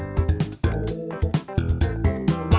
กินที่รูป